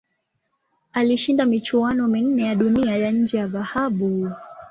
Alishinda michuano minne ya Dunia ya nje ya dhahabu.